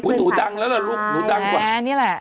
หนูดังแล้วล่ะลูกหนูดังกว่า